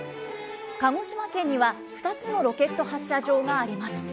鹿児島県には２つのロケット発射場があります。